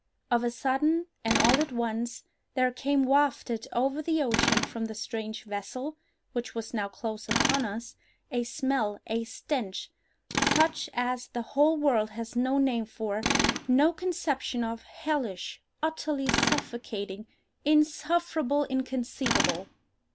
Of a sudden, and all at once, there came wafted over the ocean from the strange vessel (which was now close upon us) a smell, a stench, such as the whole world has no name for—no conception of—hellish—utterly suffocating—insufferable, inconceivable.